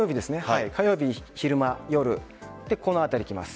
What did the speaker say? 火曜日昼間、夜この辺り来ます。